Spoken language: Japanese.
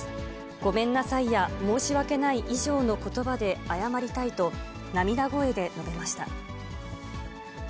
ごめんなさいや申し訳ない以上のことばで謝りたいと、涙声で述べました。